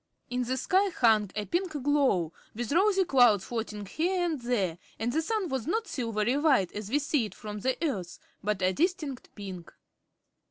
In the sky hung a pink glow, with rosy clouds floating here and there, and the sun was not silvery white, as we see it from the Earth, but a distinct pink.